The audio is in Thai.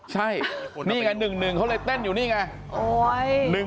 ใช่นี่ไง๑๑เขาเลยเต้นอยู่นี่ไง